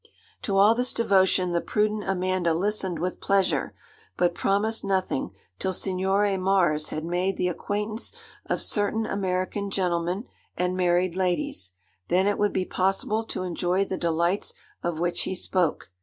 To all this devotion the prudent Amanda listened with pleasure, but promised nothing till Signore Mars had made the acquaintance of certain American gentleman and married ladies, then it would be possible to enjoy the delights of which he spoke.